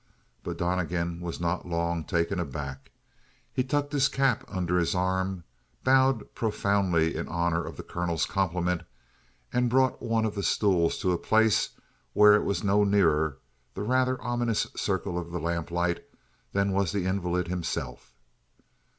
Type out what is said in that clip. But Donnegan was not long taken aback. He tucked his cap under his arm, bowed profoundly in honor of the colonel's compliments, and brought one of the stools to a place where it was no nearer the rather ominous circle of the lamplight than was the invalid himself.